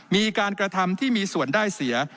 มีการกระทำที่มีส่วนได้เสีย